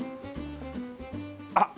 あっ！